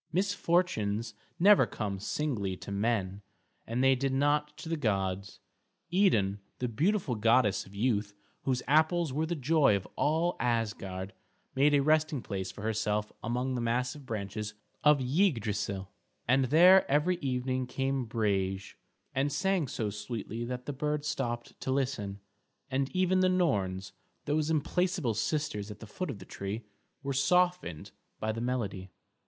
Misfortunes never come singly to men, and they did not to the gods. Idun, the beautiful goddess of youth, whose apples were the joy of all Asgard, made a resting place for herself among the massive branches of Yggdrasil, and there every evening came Brage, and sang so sweetly that the birds stopped to listen, and even the Norns, those implacable sisters at the foot of the tree, were softened by the melody.